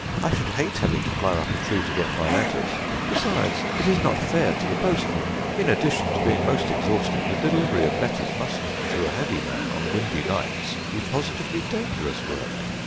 I should hate having to climb up a tree to get my letters. Besides, it is not fair to the postman. In addition to being most exhausting, the delivery of letters must to a heavy man, on windy nights, be positively dangerous work.